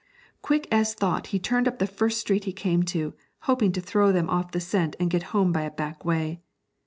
Quick as thought he turned up the first street he came to, hoping to throw them off the scent and get home by a back way.